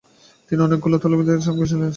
কিন্তু অনেকগুলি তল্পিদার চেলা সঙ্গে থাকা চাই।